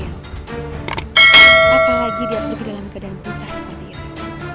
apalagi dia pergi dalam keadaan putra seperti itu